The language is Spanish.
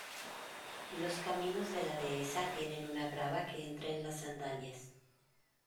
Los caminos de la Dehesa tienen una grava que entra en las sandalias.